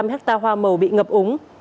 hai mươi năm hecta hoa màu bị ngập ống